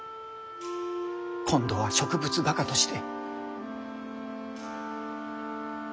今度は植物画家として。